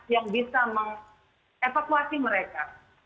yang bisa mengevakuasi mereka